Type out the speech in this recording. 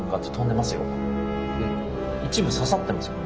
で一部刺さってますよ。